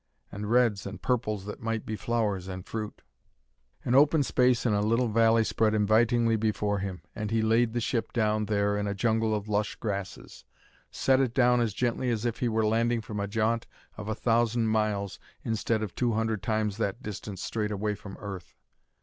and reds and purples that might be flowers and fruit. An open space in a little valley spread invitingly before him, and he laid the ship down there in a jungle of lush grasses set it down as gently as if he were landing from a jaunt of a thousand miles instead of two hundred times that distance straight away from Earth.